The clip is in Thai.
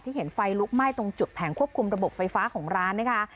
เห็นไฟลุกไหม้ตรงจุดแผงควบคุมระบบไฟฟ้าของร้านนะคะ